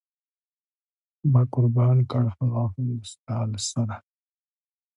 ما قربان کړ هغه هم د ستا له سره.